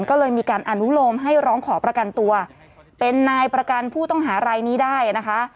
ก็เลยมีการอนุโลมให้ร้องขอประกันตัวเป็นนายประกันผู้ต้องหารายนี้ได้นะคะ